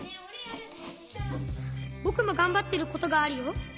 ぼくもがんばってることがあるよ。